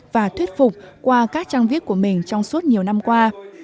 và thuyết phục qua các trang viết của mình trong suốt nhiều năm qua